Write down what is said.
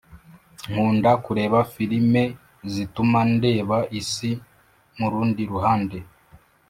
Nkunda kureba filime zituma ndeba isi murundi ruhande